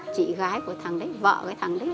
chị gái của thằng đấy vợ của thằng đấy